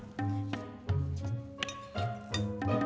nih mbak rumahnya